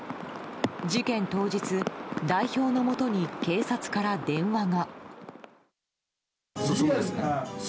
事件当日、代表のもとに警察から電話が。